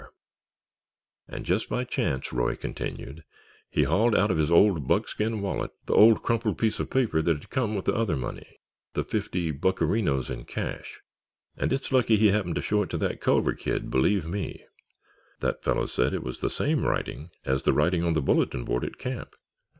And just by chance," Roy continued, "he hauled out of his old buckskin wallet the old crumpled piece of paper that had come with the other money—the fifty buckarinos in cash—and it's lucky he happened to show it to that Culver kid, believe me! That fellow said it was the same writing as the writing on the bulletin board at camp.